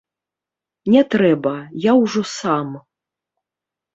Не трэба, я ўжо сам.